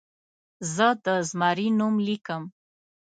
زه د زمري نوم لیکم.